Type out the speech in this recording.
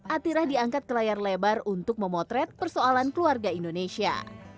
atirah diangkat ke layar lebar untuk memotret persoalan keluarga indonesia